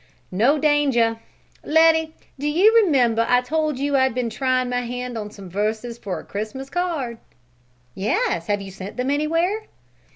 "No danger! Letty, do you remember I told you I'd been trying my hand on some verses for a Christmas card?" "Yes; have you sent them anywhere?"